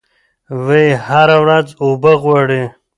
ونې هره ورځ اوبه غواړي.